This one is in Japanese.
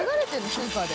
スーパーで。